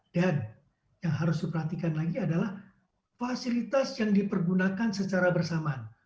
dan yang harus diperhatikan lagi adalah fasilitas yang dipergunakan secara bersamaan